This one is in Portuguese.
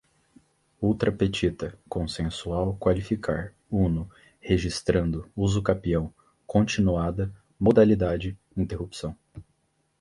ultra petita, concensual, qualificar, uno, registrando, usucapião, continuada, modalidade, interrupção